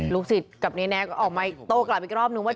ลูกศิษย์กับเน้นแอร์ก็ออกมาโต้กลับอีกรอบนึงว่า